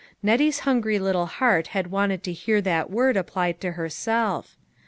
Nettie's hungry little heart had wanted to hear that word applied to herself.